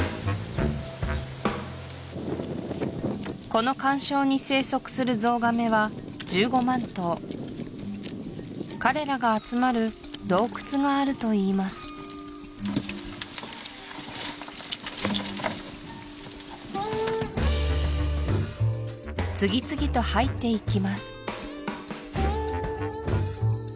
この環礁に生息するゾウガメは１５万頭彼らが集まる洞窟があるといいます次々と入っていきます